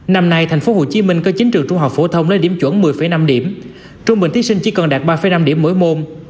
năm nay tp hcm có chín trường trung học phổ thông lấy điểm chuẩn một mươi năm điểm trung bình thí sinh chỉ cần đạt ba năm điểm mỗi môn